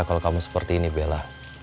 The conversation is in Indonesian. kalau kamu seperti ini bella